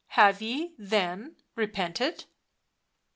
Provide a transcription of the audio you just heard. " Have ye, then, repented